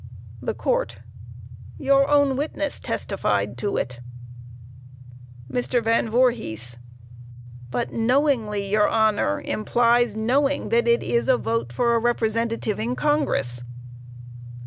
THE COURT: Your own witness testified to it. MR. VAN VOORHIS: But "knowingly," your Honor, implies knowing that it is a vote for representative in Congress.